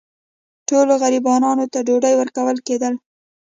ټولو غریبانو ته ډوډۍ ورکول کېدله.